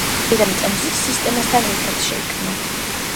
დედამიწა მზის სისტემებთან ერთად შეიქმნა.